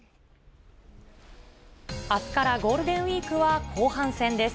あすからゴールデンウィークは後半戦です。